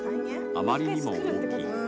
あまりにも大きい。